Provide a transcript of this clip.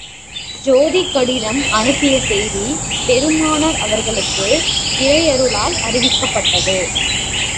ஹாதிப் கடிதம் அனுப்பிய செய்தி, பெருமானார் அவர்களுக்கு இறையருளால் அறிவிக்கப்பட்டது.